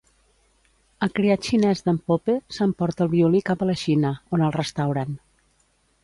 El criat xinès d'en Pope, s'emporta el violí cap a la Xina, on el restauren.